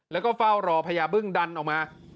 แล้วก็เฝ้ารอพญาบึ้งดันออกมา